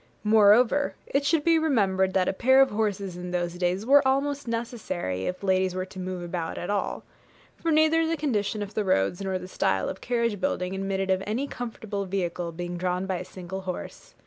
Moreover, it should be remembered that a pair of horses in those days were almost necessary, if ladies were to move about at all; for neither the condition of the roads nor the style of carriage building admitted of any comfortable vehicle being drawn by a single horse.